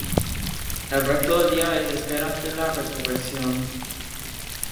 El resto del día es de espera ante la Resurrección.